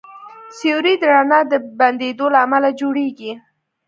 سیوری د رڼا د بندېدو له امله جوړېږي.